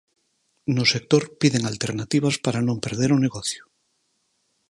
No sector piden alternativas para non perder o negocio.